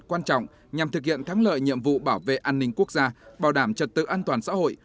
quan trọng nhằm thực hiện thắng lợi nhiệm vụ bảo vệ an ninh quốc gia bảo đảm trật tự an toàn xã hội